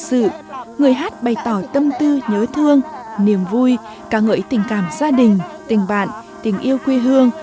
tự sự người hát bày tỏ tâm tư nhớ thương niềm vui ca ngợi tình cảm gia đình tình bạn tình yêu quê hương